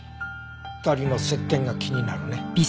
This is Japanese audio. ２人の接点が気になるね。